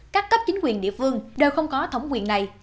các cấp chính quyền địa phương đều không có thống quyền này